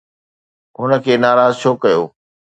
هن کي ناراض ڇو ڪيو؟